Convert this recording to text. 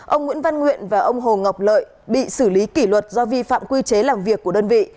ông nguyễn văn nguyện và ông hồ ngọc lợi bị xử lý kỷ luật do vi phạm quy chế làm việc của đơn vị